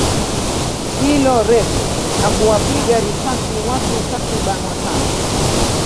hilo refu na kuwapiga risasi watu takribani watano